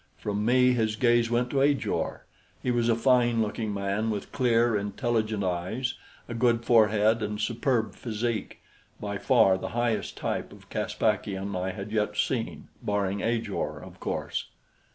From me his gaze went to Ajor. He was a fine looking man with clear, intelligent eyes, a good forehead and superb physique by far the highest type of Caspakian I had yet seen, barring Ajor, of course.